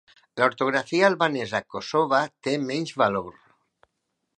L'ortografia albanesa "Kosova" té menys valor.